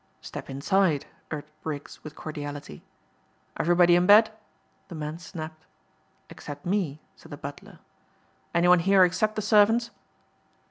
"Step inside," urged Briggs with cordiality. "Everybody in bed?" the man snapped. "Except me," said the butler. "Any one here except the servants?"